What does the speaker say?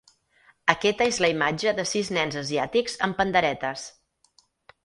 Aquesta és la imatge de sis nens asiàtics amb panderetes